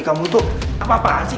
kamu itu apaan sih